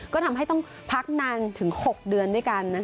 ก็ทำให้ต้องพักนานถึง๖เดือนด้วยกัน